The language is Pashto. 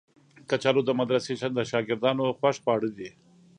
کچالو د مدرسې د شاګردانو خوښ خواړه دي